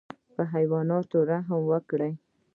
په حیواناتو رحم وکړئ